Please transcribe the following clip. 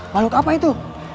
mahluk apa itu